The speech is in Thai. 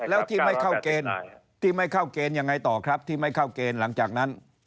แล้วที่ไม่เข้าเกณฑ์ยังไงต่อครับที่ไม่เข้าเกณฑ์หลังจากนั้น